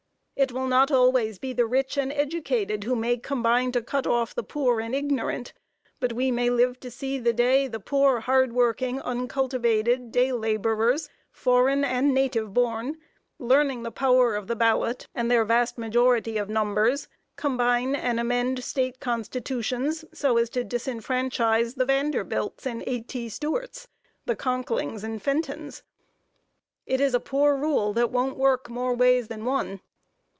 It will not always be the rich and educated who may combine to cut off the poor and ignorant; but we may live to see the poor, hardworking, uncultivated day laborers, foreign and native born, learning the power of the ballot and their vast majority of numbers, combine and amend state constitutions so as to disfranchise the Vanderbilts and A.T. Stewarts, the Conklings and Fentons. It is a poor rule that won't work more ways than one.